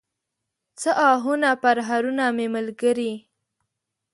څه آهونه، پرهرونه مې ملګري